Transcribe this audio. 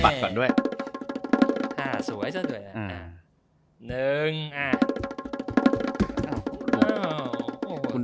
สวยใช่ไหม